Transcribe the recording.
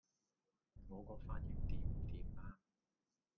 我個髮型掂唔掂呀?